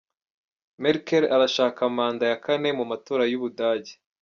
Merkel arashaka manda ya kane mu matora y'Ubudage.